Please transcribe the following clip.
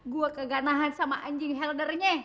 gue keganahan sama anjing heldernya